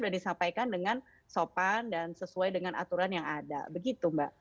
dan disampaikan dengan sopan dan sesuai dengan aturan yang ada begitu mbak